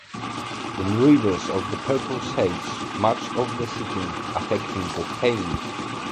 In Riders of the Purple Sage, much of the setting affects the theme.